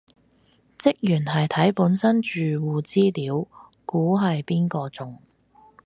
職員係睇本身住戶資料估係邊個中